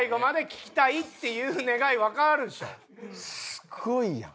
すごいやん。